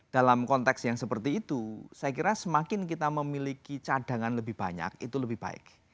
dalam konteks yang seperti itu saya kira semakin kita memiliki cadangan lebih banyak itu lebih baik